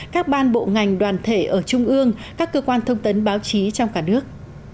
các ban bộ ngành đoàn thể ở trung ương các cơ quan thông tấn báo chí trong cả nước